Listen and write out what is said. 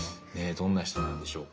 どんな人なんでしょうか。